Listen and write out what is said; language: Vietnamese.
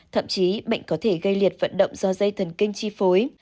thậm chí bệnh có thể gây liệt vận động do dây thần kinh chi phối